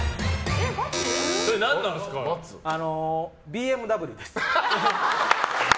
ＢＭＷです。